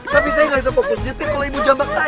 tapi saya gak bisa fokus nyetir kalau ibu jamak saya